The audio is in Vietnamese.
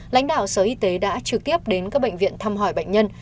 lãnh đạo sở y tế đã trực tiếp đến các bệnh viện thăm hỏi bệnh nhân